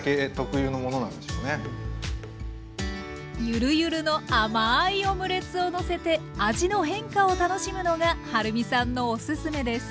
ゆるゆるの甘いオムレツをのせて味の変化を楽しむのがはるみさんのおすすめです。